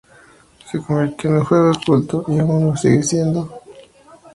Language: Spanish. Se convirtió en juego de culto y aún hoy lo sigue siendo.